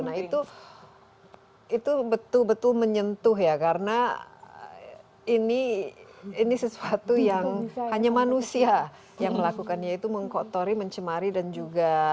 nah itu betul betul menyentuh ya karena ini sesuatu yang hanya manusia yang melakukan yaitu mengkotori mencemari dan juga